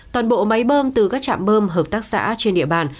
toàn bộ máy bơm từ các trạm bơm hợp tác xã trên địa bàn